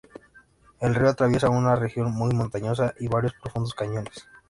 El río atraviesa una región muy montañosa y varios profundos cañones.